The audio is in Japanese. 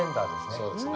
そうですね。